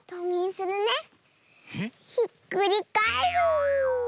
ひっくりかえる！